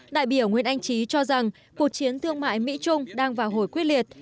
đại biểu nguyễn anh trí cho rằng cuộc chiến thương mại mỹ trung đang vào hồi quyết liệt